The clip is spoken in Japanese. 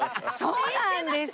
そうなんですよ。